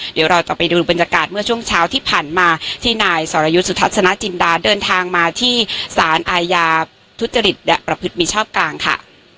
เดี๋ยวเราจะไปดูบรรยากาศเมื่อช่วงเช้าที่ผ่านมาที่นายสรยุทธ์สุทัศนจินดาเดินทางมาที่สารอาญาทุจริตและประพฤติมิชอบกลางค่ะ